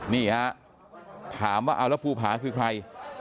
นี่ฮะถามว่าเอาแล้วภูผาคือใคร